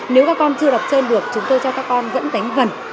nếu các con chưa đọc trơn được chúng tôi cho các con vẫn đánh vần